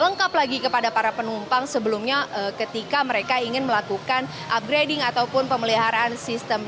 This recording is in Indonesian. lengkap lagi kepada para penumpang sebelumnya ketika mereka ingin melakukan upgrading ataupun pemeliharaan sistem